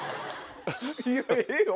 いやええよ